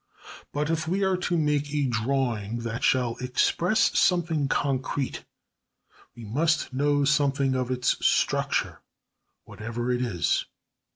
But if we are to make a drawing that shall express something concrete, we must know something of its structure, whatever it is.